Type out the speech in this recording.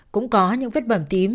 cũng có những vết bầm tím